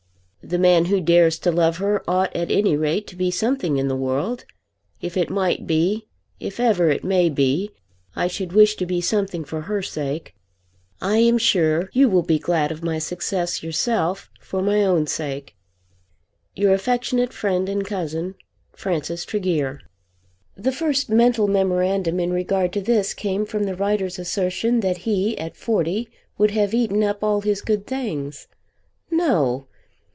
The man who dares to love her ought at any rate to be something in the world. If it might be, if ever it may be, I should wish to be something for her sake. I am sure you will be glad of my success yourself, for my own sake. Your affectionate Friend and Cousin, FRANCIS TREGEAR. The first mental memorandum in regard to this came from the writer's assertion that he at forty would have eaten up all his good things. No!